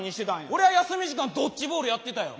俺は休み時間ドッジボールやってたよ。